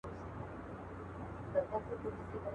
پل مي دي پیدا کی له رویبار سره مي نه لګي.